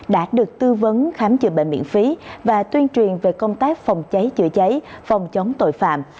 đã được tư vấn khám chữa bệnh miễn phí và tuyên truyền về công tác phòng cháy chữa cháy phòng chống tội phạm